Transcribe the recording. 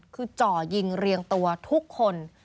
คือจ่อยิงเรียงตัวทุกคน